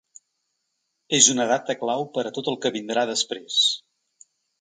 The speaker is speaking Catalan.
És una data clau per a tot el que vindrà després.